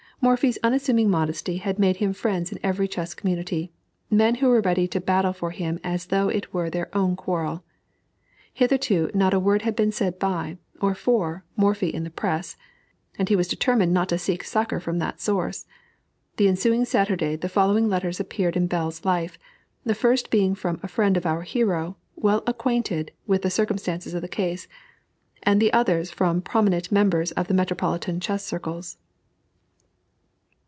Morphy's unassuming modesty had made him friends in every chess community, men who were ready to battle for him as though it were their own quarrel. Hitherto, not a word had been said by, or for, Morphy in the press, and he was determined not to seek succor from that source. The ensuing Saturday the following letters appeared in Bell's Life, the first being from a friend of our hero, well acquainted with the circumstances of the case; and the others from prominent members of the metropolitan chess circles.